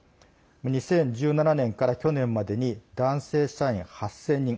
２０１７年から去年までに男性社員８０００人。